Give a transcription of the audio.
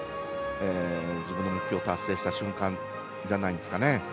自分の目標を達成した瞬間じゃないですかね。